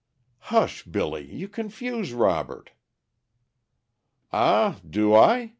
"Hush, Billy, you confuse Robert." "Ah! do I?